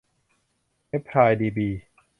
แอ็พพลาย ดีบี